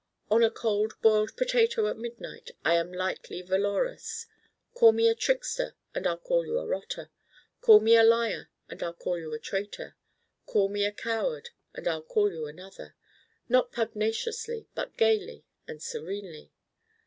On a Cold Boiled Potato at midnight I am lightly valorous: call me a trickster and I'll call you a rotter: call me a liar and I'll call you a traitor: call me a coward and I'll call you another: not pugnaciously but gayly and serenely.